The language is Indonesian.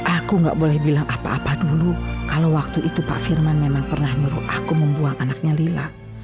aku gak boleh bilang apa apa dulu kalau waktu itu pak firman memang pernah nyuruh aku membuang anaknya lila